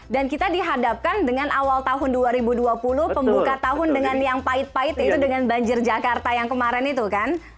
dan kita dihadapkan dengan awal tahun dua ribu dua puluh pembuka tahun dengan yang pahit pahit itu dengan banjir jakarta yang kemarin itu kan